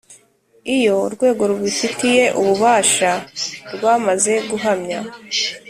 Iyo urwego rubifitiye ububasha rwamaze guhamya